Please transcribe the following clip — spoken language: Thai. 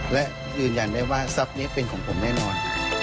และยืนยันได้ว่าทรัพย์นี้เป็นของผมแน่นอน